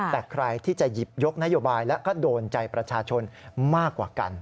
แต่ใครที่จะหยิบยกนโยบายและก็โดนใจประชาชนมากกว่ากัน